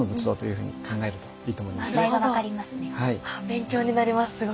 勉強になります